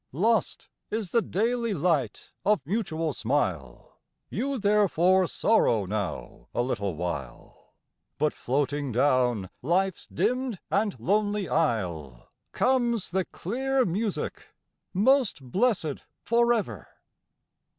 Lost is the daily light of mutual smile, You therefore sorrow now a little while; But floating down life's dimmed and lonely aisle Comes the clear music: 'Most blessed for ever!'